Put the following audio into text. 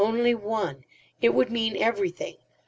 Only one! It would mean everything.